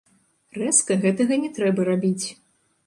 Рэзка гэтага не трэба рабіць.